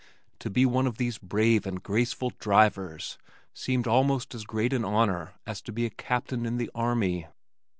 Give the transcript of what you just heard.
To be one of these brave and graceful "drivers" seemed almost as great an honor as to be a Captain in the army.